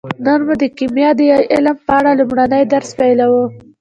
نن موږ د کیمیا د علم په اړه لومړنی درس پیلوو